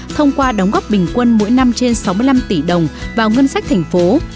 thông qua đóng góp bình quân mỗi năm trên sáu mươi năm tỷ đồng vào ngân sách thành phố